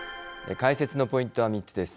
解説のポイントは３つです。